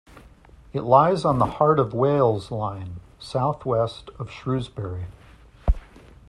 It lies on the Heart of Wales Line, south west of Shrewsbury.